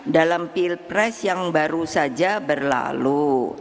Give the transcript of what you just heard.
dalam pilpres yang baru saja berlalu